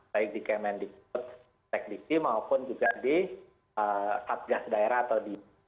baik di kmn di ketek diksi maupun juga di satgas daerah atau di